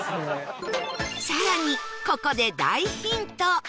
更にここで大ヒント